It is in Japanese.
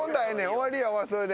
終わりやわそれで。